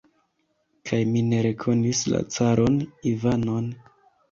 Kaj ni ne rekonis la caron Ivanon!